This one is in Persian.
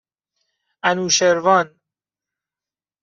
اَنوشروان